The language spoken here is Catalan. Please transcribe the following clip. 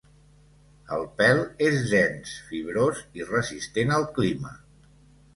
El pèl és dens, fibrós i resistent al clima.